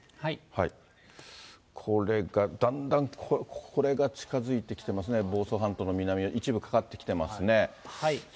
これが、だんだん、ここが近づいてきてますね、房総半島の南に一部かかってきてますね。